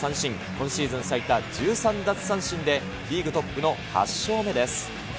今シーズン最多１３奪三振でリーグトップの８勝目です。